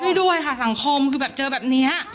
ด้วยค่ะสังคมคือแบบเจอแบบนี้